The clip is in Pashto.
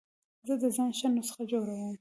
زه د ځان ښه نسخه جوړوم.